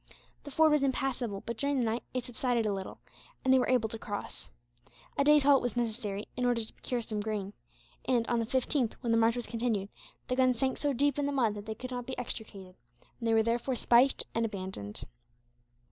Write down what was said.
The ford was impassable, but during the night it subsided a little, and they were able to cross. A day's halt was necessary, in order to procure some grain; and on the 15th, when the march was continued, the guns sank so deep in the mud that they could not be extricated, and they were therefore spiked and abandoned.